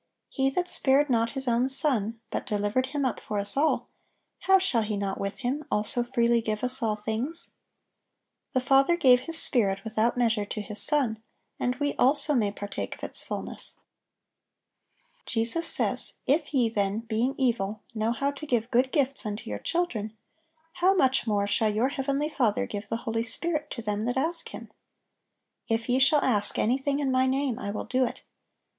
"He that spared not His own Son, but delivered Him up for us all, how shall He not with Him also freely give us all things?"(824) The Father gave His Spirit without measure to His Son, and we also may partake of its fulness. Jesus says: "If ye then, being evil, know how to give good gifts unto your children: how much more shall your heavenly Father give the Holy Spirit to them that ask Him?"(825) "If ye shall ask anything in My name, I will do it."